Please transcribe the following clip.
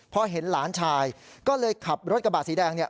พอเห็นหลานชายก็เลยขับรถกระบะสีแดงเนี่ย